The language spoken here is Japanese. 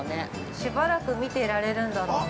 ◆しばらく見てられるんだろうな。